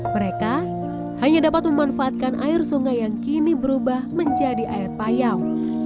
mereka hanya dapat memanfaatkan air sungai yang kini berubah menjadi air payau